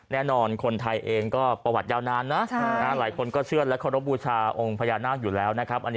แน่นอนคนไทยเองก็ประวัติยาวนานนะหลายคนก็เชื่อและเคารพบูชาองค์พญานาคอยู่แล้วนะครับ